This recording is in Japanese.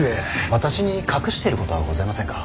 私に隠していることはございませんか。